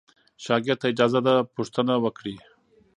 شاګرد ته اجازه ده پوښتنه وکړي.